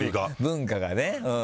文化がね。